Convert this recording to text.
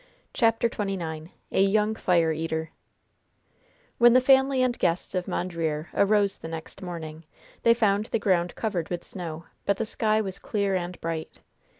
CHAPTER XXIX A YOUNG FIRE EATER When the family and guests of Mondreer arose the next morning, they found the ground covered with snow, but the sky was clear and bright.